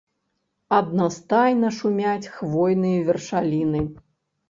Аднастайна шумяць хвойныя вершаліны.